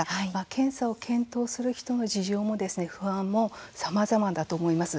検査を検討する人の事情も不安もさまざまだと思います。